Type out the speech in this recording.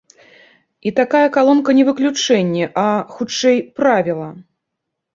І такая калонка не выключэнне, а, хутчэй, правіла.